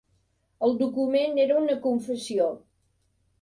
El document era una confessió.